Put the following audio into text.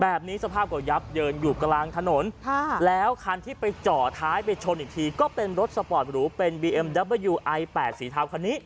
แบบนี้สภาพกว่ายับเดินอยู่กลางถนนค่ะแล้วคันที่ไปเจาะท้ายไปชนอีกทีก็เป็นรถสปอร์ตหรือเป็นบีเอ็มเด้อเบอร์ยูไอ้แปดสีท้าวคันนี้